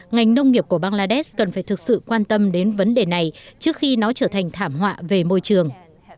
ngành nông nghiệp của bangladesh cần phải thực sự quan tâm đến vấn đề này trước khi nó trở thành thảm họa về môi trường